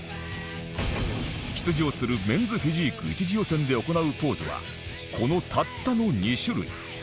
出場するメンズフィジーク１次予選で行うポーズはこのたったの２種類